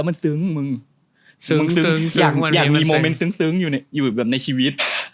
มันซึ้งมึงซึ้งมึงซึ้งอยากมีโมเมนต์ซึ้งอยู่แบบในชีวิต